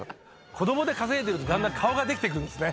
子供で稼いでるとだんだん顔ができて来るんですね。